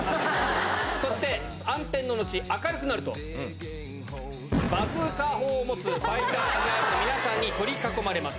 そして、暗転の後、明るくなると、バズーカ砲を持つファイターズガールの皆さんに取り囲まれます。